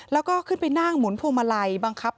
แล้วก็ขึ้นไปนั่งหมุนพวงมาลัยบังคับ